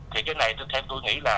thì cái này theo tôi nghĩ là